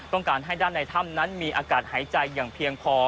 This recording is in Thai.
การให้ด้านในถ้ำนั้นมีอากาศหายใจอย่างเพียงพอ